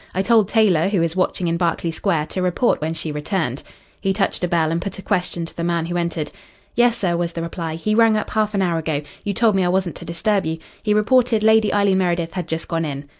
I told Taylor, who is watching in Berkeley Square, to report when she returned." He touched a bell and put a question to the man who entered. "Yes, sir," was the reply. "He rang up half an hour ago. You told me I wasn't to disturb you. He reported Lady Eileen Meredith had just gone in."